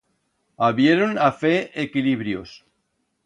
Habieron a fer equilibrios.